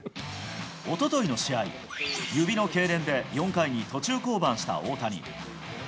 おとといの試合、指のけいれんで４回に途中降板した大谷。